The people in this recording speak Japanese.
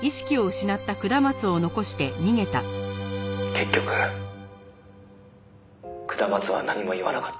「結局下松は何も言わなかった」